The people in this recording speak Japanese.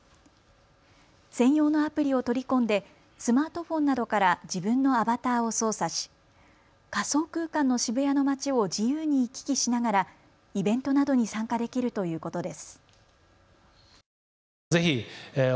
専用のアプリを取り込んでスマートフォンなどから自分のアバターを操作し仮想空間の渋谷の街を自由に行き来しながらイベントなどに参加できるということです。